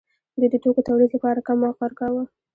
دوی د توکو تولید لپاره کم وخت ورکاوه.